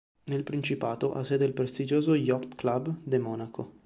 Nel principato ha sede il prestigioso Yacht Club de Monaco.